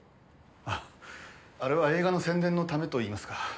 ああれは映画の宣伝のためといいますか。